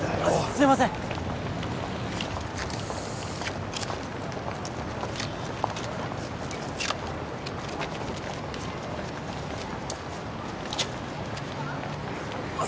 すいませんあっ